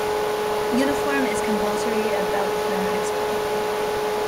Uniform is compulsory at Ballyclare High School.